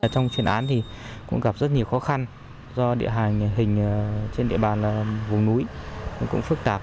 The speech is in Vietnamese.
trong chuyên án thì cũng gặp rất nhiều khó khăn do địa hình trên địa bàn vùng núi cũng phức tạp